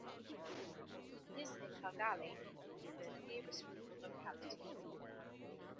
Nizhniye Kargaly is the nearest rural locality.